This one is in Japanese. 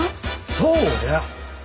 そうや。